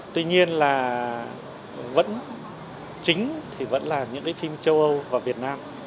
tuy nhiên là vẫn chính thì vẫn là những cái phim châu âu và việt nam